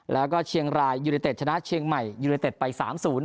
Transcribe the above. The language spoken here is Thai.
แล้วก็เชียงรายยูนิเต็ดชนะเชียงใหม่ยูเนเต็ดไป๓๐